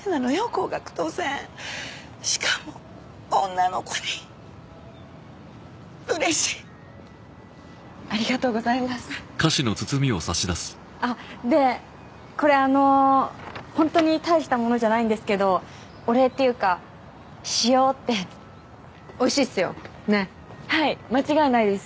高額当選しかも女の子にうれしいありがとうございますあっでこれあの本当に大したものじゃないんですけどお礼っていうかしようっておいしいっすよねっはい間違いないです